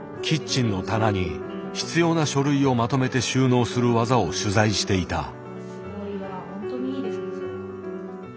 キッチンの棚に必要な書類をまとめて収納する技を取材していた。